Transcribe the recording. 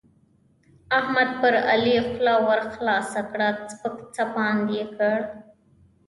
احمد پر علي خوله ورخلاصه کړه؛ سپک سپاند يې کړ.